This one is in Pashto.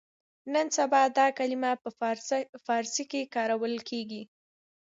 نن سبا دا کلمه په فارسي کې کارول کېږي.